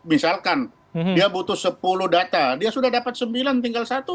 misalkan dia butuh sepuluh data dia sudah dapat sembilan tinggal satu